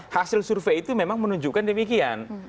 hasil survei itu memang menunjukkan demikian